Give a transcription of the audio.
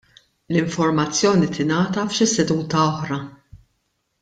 l-informazzjoni tingħata f'xi seduta oħra.